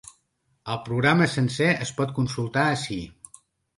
El programa sencer es pot consultar ací.